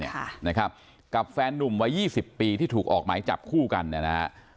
ค่ะนะครับกับแฟนนุ่มวัยยี่สิบปีที่ถูกออกหมายจับคู่กันเนี่ยนะฮะ